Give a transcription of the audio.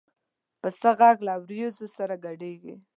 پسه غږ له وریځو سره ګډېږي.